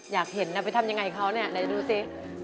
อยากเห็นนะไปทำอย่างไรเขานี่ดูสิ